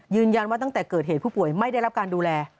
ตั้งแต่เกิดเหตุผู้ป่วยไม่ได้รับการดูแล